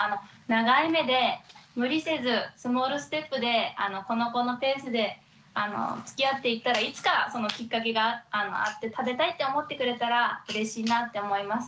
長い目で無理せずスモールステップでこの子のペースでつきあっていったらいつかそのきっかけがあって食べたいって思ってくれたらうれしいなって思います。